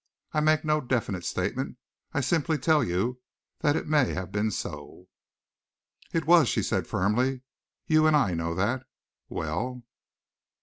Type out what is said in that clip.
I make no definite statement. I simply tell you that it may have been so." "It was," she said firmly. "You and I know that. Well?"